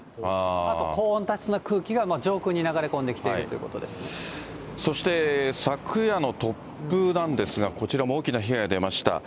あと、高温多湿な空気が上空に流そして昨夜の突風なんですが、こちらも大きな被害が出ました。